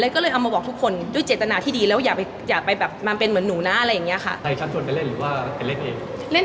ก็เลยเอามาบอกทุกคนด้วยเจตนาที่ดีแล้วอยากไปอยากไปแบบมันเป็นเหมือนหนูนะอะไรอย่างเงี้ยค่ะใครชั้นชนไปเล่นหรือว่าเป็นเล่นเอง